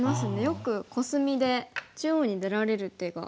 よくコスミで中央に出られる手が。